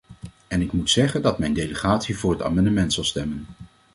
En ik moet zeggen dat mijn delegatie voor het amendement zal stemmen.